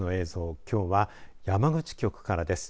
きょうは山口局からです。